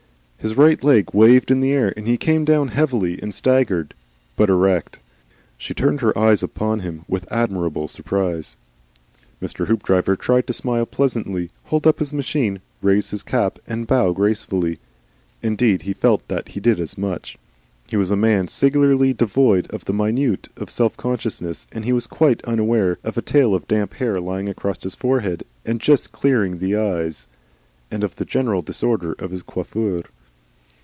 His right leg waved in the air, and he came down heavily and staggering, but erect. She turned her eyes upon him with admirable surprise. Mr. Hoopdriver tried to smile pleasantly, hold up his machine, raise his cap, and bow gracefully. Indeed, he felt that he did as much. He was a man singularly devoid of the minutiae of self consciousness, and he was quite unaware of a tail of damp hair lying across his forehead, and just clearing his eyes, and of the general disorder of his coiffure.